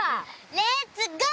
レッツゴー！